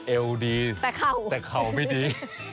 เอวดีแต่เข่าไม่ดี